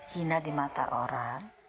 hina di mata orang